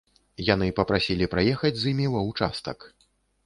Яны папрасілі праехаць з імі ва участак.